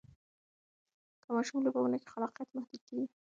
که ماشوم لوبه ونه کړي، خلاقیت یې محدود کېږي.